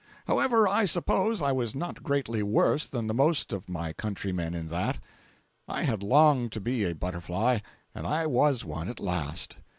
However, I suppose I was not greatly worse than the most of my countrymen in that. I had longed to be a butterfly, and I was one at last.